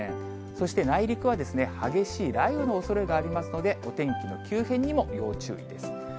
そして内陸は、激しい雷雨のおそれがありますので、お天気の急変にも要注意です。